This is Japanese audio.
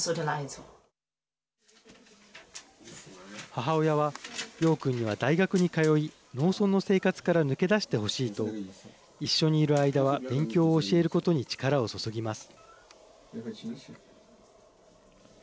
母親は楊君には大学に通い農村の生活から抜け出してほしいと一緒にいる間は勉強を教えることに力を注ぎます。